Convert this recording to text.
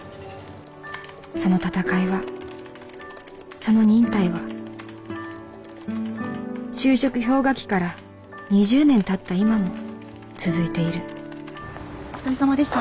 その戦いはその忍耐は就職氷河期から２０年たった今も続いているお疲れさまでした。